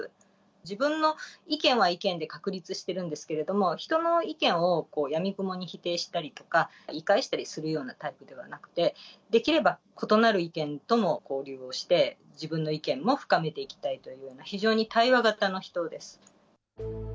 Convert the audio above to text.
自分の意見は意見で確立してるんですけれども、人の意見をやみくもに否定したりとか、言い返したりするようなタイプではなくて、できれば異なる意見とも交流をして、自分の意見も深めていきたいというような、非常に対話型の人です。